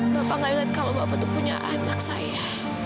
bapak gak inget kalau bapak itu punya anak saya